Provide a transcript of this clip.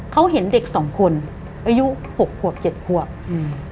เขาเห็นเด็กสองคนอายุหกขวบเจ็ดขวบอืม